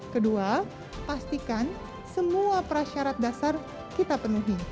kedua pastikan semua prasyarat dasar kita penuhi